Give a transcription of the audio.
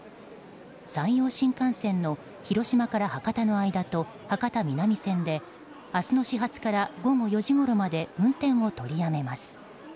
山陽新幹線の広島から博多の間と博多南線で明日の始発から午後４時ごろまで運転を取りやめます。